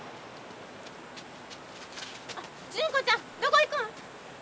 純子ちゃんどこ行くん？